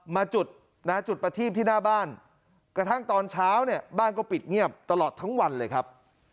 มาจุดนะจุดประทีบที่หน้าบ้านกระทั่งตอนเช้าเนี่ยบ้านก็ปิดเงียบตลอดทั้งวันเลยครับ